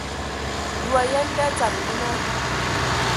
Yi wa yen nda dzama nyina?